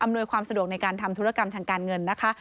ความสะดวกในการทำธุรกรรมทางการเงินนะคะ